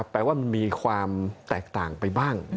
แปลว่ามันมีความแตกต่างไปบ้าง